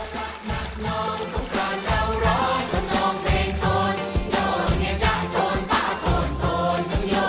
ว่าไม่รักรักน้องสงครามเราร้องต้นลงเพลงโทน